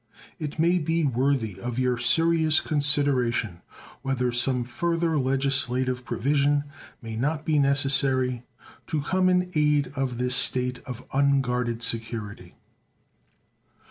It may be worthy of your serious consideration whether some further legislative provision may not be necessary to come in aid of this state of unguarded security.